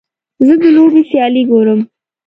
زه د لوبې سیالۍ ګورم.